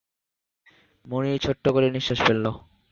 মুনির ছোট্ট করে নিঃশ্বাস ফেলল।